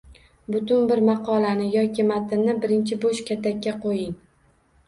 Butun bir maqolani yoki matnni birinchi bo’sh katakka qo’ying